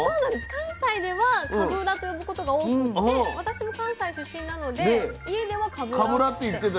関西ではかぶらと呼ぶことが多くって私も関西出身なので家ではかぶらって。